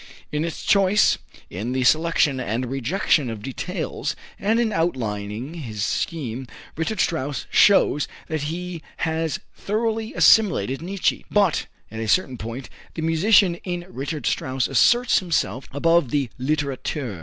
In its choice, in the selection and rejection of details and in outlining his scheme, Richard Strauss shows that he has thoroughly assimilated Nietzsche. But, at a certain point, the musician in Richard Strauss asserts himself above the litterateur.